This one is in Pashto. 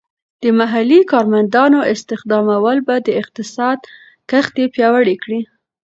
د محلی کارمندانو استخدامول به د اقتصاد کښتۍ پیاوړې کړي.